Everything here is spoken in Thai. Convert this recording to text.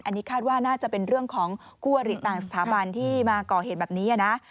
อันนี้คาดว่าน่าจะเป็นเรื่องของคู่อริต่างสถาบันที่มาก่อเหตุแบบนี้นะ